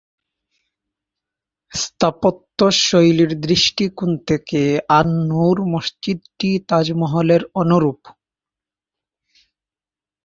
স্থাপত্যশৈলীর দৃষ্টিকোণ থেকে, আন-নূর মসজিদটি তাজমহলের অনুরূপ।